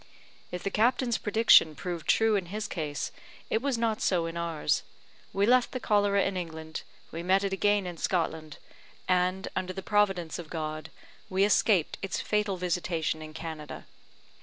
If the captain's prediction proved true in his case, it was not so in ours. We left the cholera in England, we met it again in Scotland, and, under the providence of God, we escaped its fatal visitation in Canada.